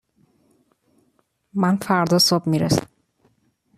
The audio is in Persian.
من فردا صبح می رسم